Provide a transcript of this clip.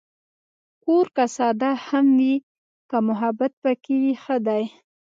کور که ساده هم وي، که محبت پکې وي، ښه دی.